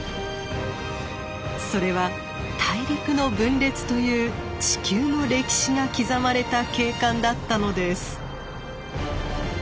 それは大陸の分裂という地球の歴史が刻まれた景観だったのです。